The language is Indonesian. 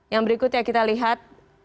yang berikutnya kita lihat